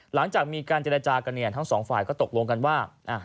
หลังจากมีการเจรจากันเนี่ยทั้งสองฝ่ายก็ตกลงกันว่า